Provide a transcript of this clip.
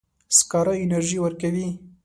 سکاره انرژي ورکوي.